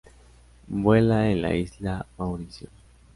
Vuela en la isla Mauricio.